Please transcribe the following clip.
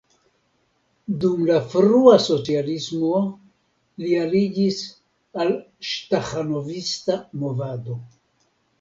Dum la frua socialismo li aliĝis al staĥanovista movado.